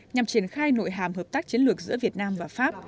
nhằm triển khai nội hàm hợp tác chiến lược giữa việt nam và pháp